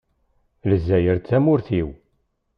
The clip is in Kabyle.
Lezzayer d tamurt-iw.